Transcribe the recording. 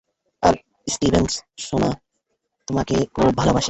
আর, Steven সোনা, তোমাকে খুব ভালোবাসি।